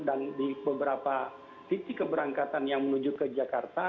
di beberapa titik keberangkatan yang menuju ke jakarta